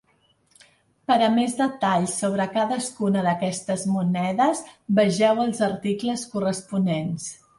Per a més detall sobre cadascuna d'aquestes monedes, vegeu els articles corresponents.